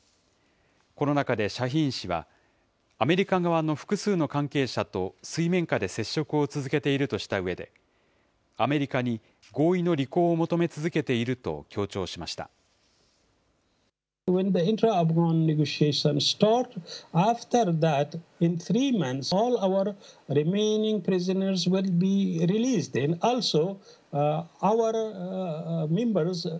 この中でシャヒーン氏は、アメリカ側の複数の関係者と水面下で接触を続けているとしたうえで、アメリカに合意の履行を求め続けていると強調しました。